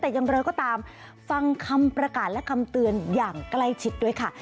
แต่อย่างไรก็ตามฟังคำประกาศและคำเตือนอย่างใกล้ชิดด้วยค่ะ